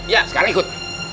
ya sekarang ikut